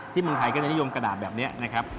เมืองไทยก็จะนิยมกระดาษแบบนี้นะครับ